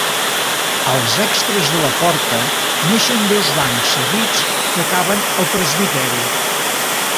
Als extres de la porta neixen dos bancs seguits que acaben al presbiteri.